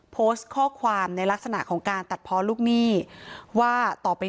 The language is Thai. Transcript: โพสต์ข้อความในลักษณะของการตัดเพาะลูกหนี้ว่าต่อไป